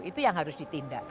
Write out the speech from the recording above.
itu yang harus ditindak